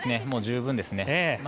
もう十分ですね。